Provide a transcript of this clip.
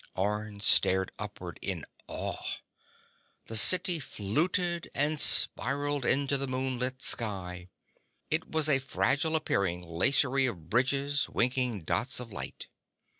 Orne stared upward in awe. The city fluted and spiraled into the moonlit sky. It was a fragile appearing lacery of bridges, winking dots of light.